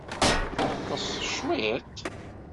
Teḍḍes cwiṭ?